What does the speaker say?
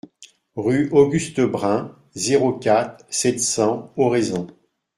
Rue Auguste Brun, zéro quatre, sept cents Oraison